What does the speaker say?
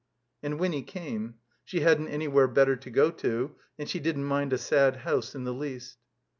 And Wiimy came. She hadn't anywhere better to go to, and she didn't mind a sad house in the least.